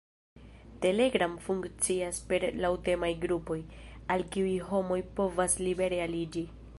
Telegram funkcias per laŭtemaj grupoj, al kiuj homoj povas libere aliĝi.